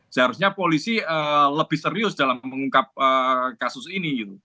seharusnya polisi lebih serius dalam mengungkap kasus ini